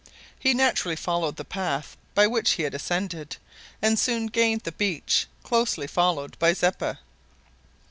He naturally followed the path by which he had ascended, and soon gained the beach, closely followed by Zeppa.